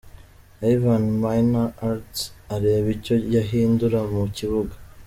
Ivan Minaert areba icyo yahindura mu kibuga